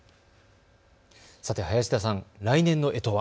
さて林田さん、来年のえとは？